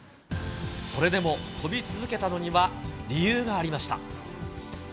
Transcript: それでも跳び続けたのには理由がありました。